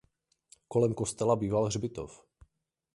Kolem kostela býval hřbitov.